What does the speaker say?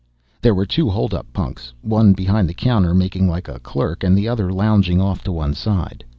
There were two holdup punks, one behind the counter making like a clerk and the other lounging off to the side.